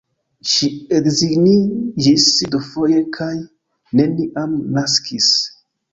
Ŝi edziniĝis dufoje kaj neniam naskis.